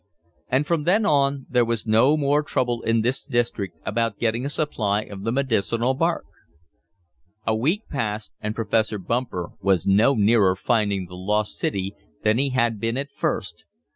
And from then on there was no more trouble in this district about getting a supply of the medicinal bark. A week passed and Professor Bumper was no nearer finding the lost city than he had been at first.